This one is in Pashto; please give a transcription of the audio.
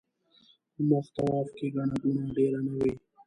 کوم وخت طواف کې ګڼه ګوڼه ډېره نه وي.